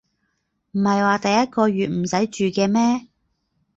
唔係話第一個月唔使住嘅咩